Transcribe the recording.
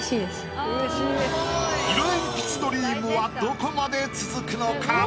色えんぴつドリームはどこまで続くのか？